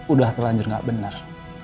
udah terlanjur nggak benar